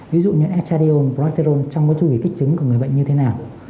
ví dụ như hado brotterol trong chú ý kích trứng của người bệnh như thế nào